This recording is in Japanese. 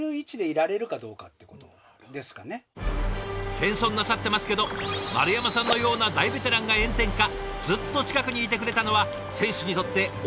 謙遜なさってますけど丸山さんのような大ベテランが炎天下ずっと近くにいてくれたのは選手にとって大きな支えだったはず。